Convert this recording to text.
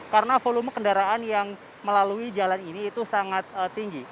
karena volume kendaraan yang melalui jalan ini itu sangat tinggi